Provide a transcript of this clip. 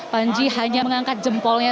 panji hanya mengangkat jempolnya